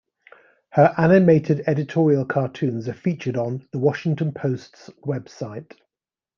Her animated editorial cartoons are featured on "The Washington Post"'s website.